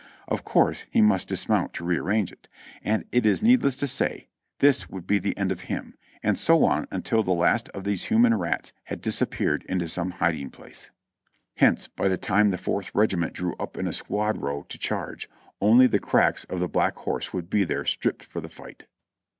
Of course he must dismount to rearrange it, and it is needless to say this would be the end of him, and so on until the last of these human rats had disappeared into some hiding place. Hence by TIIK BLACK HORSK CAVALRY 421 tlie time the Fourth Regiment drew up in a squad row to charge, only the cracks of the Black Horse would be there stripped for the fight.